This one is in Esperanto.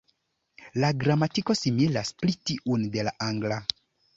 La gramatiko similas pli tiun de la angla.